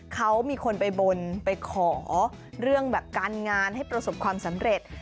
เขามีคนไปบนไปขอเรื่องแบบการงานให้ประสบความสำเร็จ